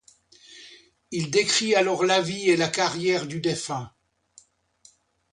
Il décrit alors la vie et la carrière du défunt.